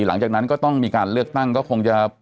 หลังจากนั้นก็ต้องมีการเลือกตั้งก็คงจะ